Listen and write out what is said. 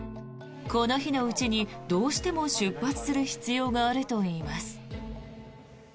この日のうちにどうしても出発する必要があるといいます。